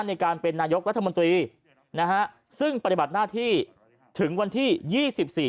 ในการเป็นนายกรัฐมนตรีนะฮะซึ่งปฏิบัติหน้าที่ถึงวันที่ยี่สิบสี่